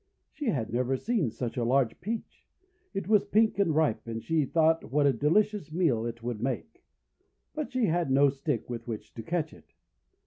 She had never seen such a large Peach! It was pink and ripe, and she thought what a de licious meal it would make. But she had no stick with which to catch it.